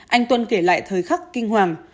anh tuân kể lại thời khắc kinh hoàng